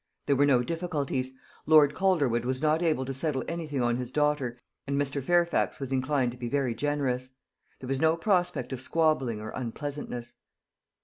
There were no difficulties. Lord Calderwood was not able to settle anything on his daughter, and Mr. Fairfax was inclined to be very generous. There was no prospect of squabbling or unpleasantness.